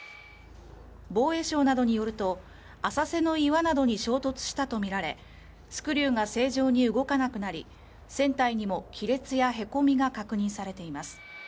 防衛省などによると、浅瀬の岩などに衝突したとみられスクリューが正常に動かなくなり船体にも亀裂やへこみが確認されています。